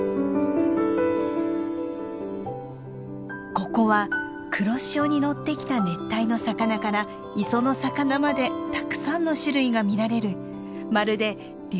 ここは黒潮に乗ってきた熱帯の魚から磯の魚までたくさんの種類が見られるまるで竜